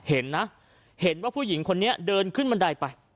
เห็นนะเห็นว่าผู้หญิงคนนี้เดินขึ้นบันไดไป